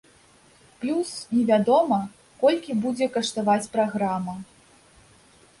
Плюс, не вядома, колькі будзе каштаваць праграма.